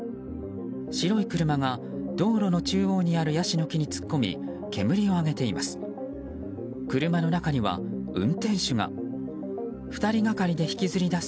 白い車が、道路の中央にあるヤシの木に突っ込み煙を上げています。